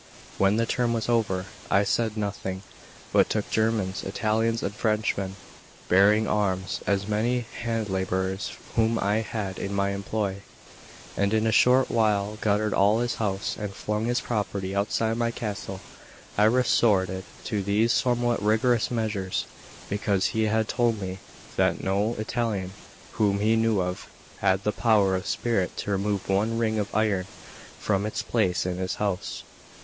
When the term was over, I said nothing, but took Germans, Italians, and Frenchmen, bearing arms, and many hand labourers whom I had in my employ, and in a short while gutted all his house and flung his property outside my castle. I resorted to these somewhat rigorous measures because he had told me that no Italian whom he knew of had the power of spirit to remove one ring of iron from its place in his house.